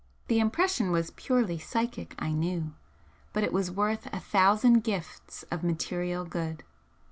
The impression was purely psychic I knew, but it was worth a thousand gifts of material good.